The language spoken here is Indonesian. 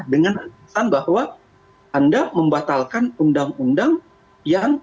dengan alasan bahwa anda membatalkan undang undang yang